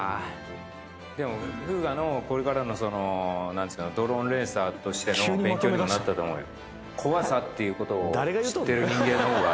でも風雅のこれからのドローンレーサーとしての勉強にもなったと思うよ。